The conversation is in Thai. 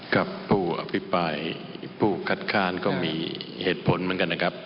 กับผู้อภิปรายผู้คัดค้านก็มีเหตุผลเหมือนกันนะครับ